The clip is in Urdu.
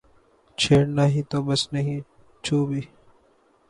چھیڑنا ہی تو بس نہیں چھو بھی